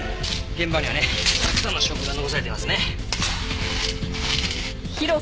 現場にはねたくさんの証拠が残されてますね。